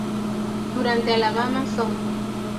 Durante "Alabama Song".